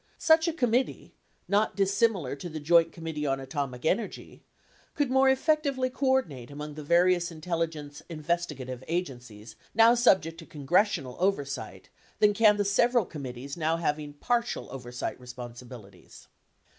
Such a committee, not dissimilar to the Joint Committee on Atomic Energy, could more effectively coordinate among the various intelligence investigative agencies, now subject to congressional oversight, than can the several committees now having partial oversight responsibilities.